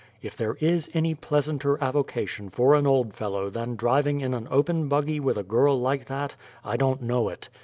If there is any pleasanter avocation for an old fellow than driving in an open buggy with a girl like that, I don't know it.